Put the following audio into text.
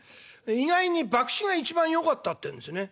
意外に博打が一番よかったってんですね。